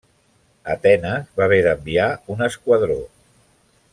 Atenes va haver d'enviar un esquadró.